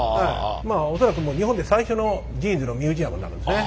恐らく日本で最初のジーンズのミュージアムになるんですね。